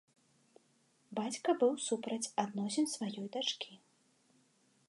Бацька быў супраць адносін сваёй дачкі.